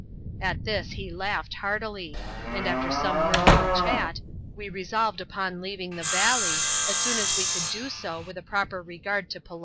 At this he laughed heartily ; and after some mirthful chat, we resolved upon leaving t\ie vaWey, «ca «ioii as we could do sa with a proper regard to poWteue^a.